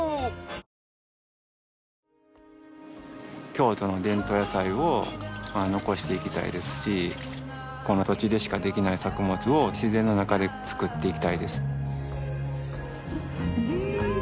京都の伝統野菜を残していきたいですしこの土地でしかできない作物を自然の中で作っていきたいです。